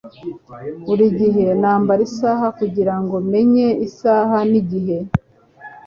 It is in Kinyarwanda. Buri gihe nambara isaha kugirango menye isaha nigihe.